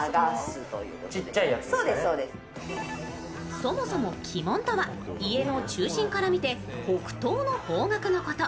そもそも鬼門とは家の中心から見て北東の方角のこと。